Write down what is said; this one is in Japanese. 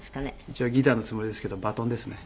一応ギターのつもりですけどバトンですね。